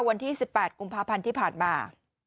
วันที่๑๘กุมภาพันธ์ที่ผ่านมา